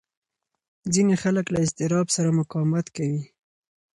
ځینې خلک له اضطراب سره مقاومت کوي.